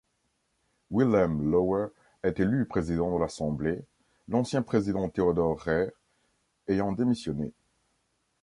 Wilhelm Loewe est élu président de l'assemblée, l'ancien président Theodor Reh ayant démissionné.